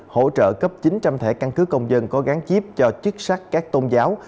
hỗ trợ cấp chín trăm linh thẻ căn cứ công dân có gán chiếp cho chức sát các tôn giáo